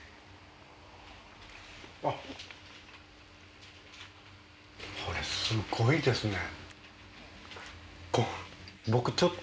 あっこれすごいですね。